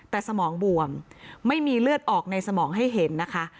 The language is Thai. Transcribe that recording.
แต่สมองบวมไม่มีเลือดออกในสมองให้เห็นนะคะ